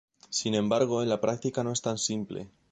Sin embargo, en la práctica no es tan simple.